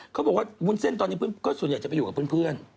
เขาบอกว่าวุ้นเส้นตอนนี้ก็ส่วนใหญ่จะไปอยู่กับเพื่อน